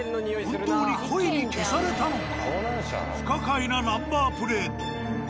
本当に故意に消されたのか？